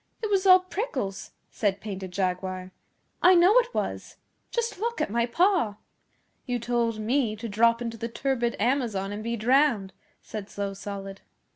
It was all prickles,' said Painted Jaguar. 'I know it was. Just look at my paw!' 'You told me to drop into the turbid Amazon and be drowned,' said Slow Solid.